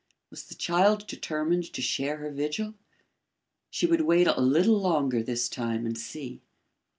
Was the child determined to share her vigil? She would wait a little longer this time and see.